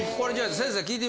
先生！